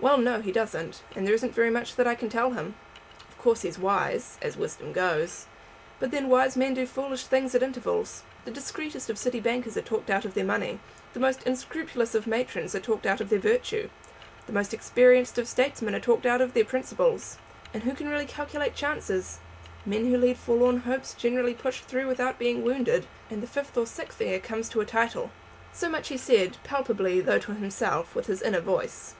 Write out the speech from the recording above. "Well, no; he doesn't; and there isn't very much that I can tell him. Of course he's wise, as wisdom goes. But then, wise men do do foolish things at intervals. The discreetest of city bankers are talked out of their money; the most scrupulous of matrons are talked out of their virtue; the most experienced of statesmen are talked out of their principles. And who can really calculate chances? Men who lead forlorn hopes generally push through without being wounded; and the fifth or sixth heir comes to a title." So much he said, palpably, though to himself, with his inner voice.